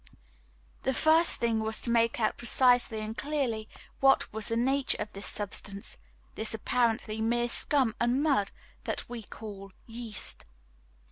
The first thing was to make out precisely and clearly what was the nature of this substance, this apparently mere scum and mud that we call yeast.